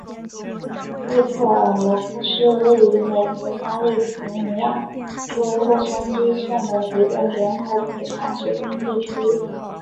利特尔罗克是位于美国加利福尼亚州洛杉矶县的一个人口普查指定地区。